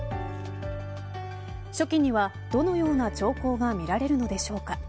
初期には、どのような兆候が見られるのでしょうか。